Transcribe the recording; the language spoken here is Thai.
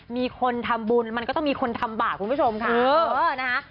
มีคนทำบุญมันก็ต้องมีคนทำบาปคุณผู้ชมค่ะนะฮะ